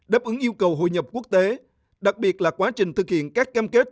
đáp ứng yêu cầu hội nhập quốc tế đặc biệt là quá trình thực hiện các cam kết